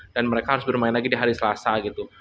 dan mereka harus bermain lagi di hari selasa gitu